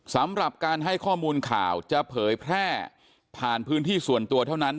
สำหรับการให้ข้อมูลข่าวจะเผยแพร่ผ่านพื้นที่ส่วนตัวเท่านั้น